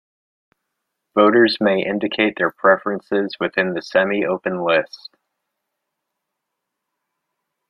Voters may indicate their preferences within the semi-open list.